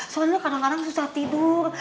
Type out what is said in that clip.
soalnya kadang kadang susah tidur